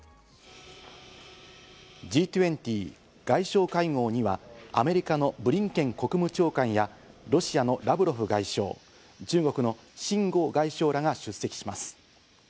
Ｇ２０外相会合には、アメリカのブリンケン国務長官や、ロシアのラブロフ外相、中国のシン・ゴウ外相らが出席します。